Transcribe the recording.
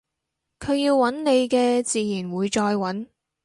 佢要搵你嘅自然會再搵